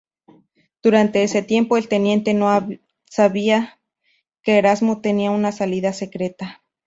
Durante ese tiempo el teniente no sabía que Erasmo tenía una salida secreta.